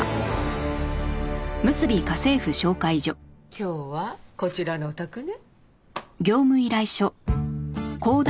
今日はこちらのお宅ね。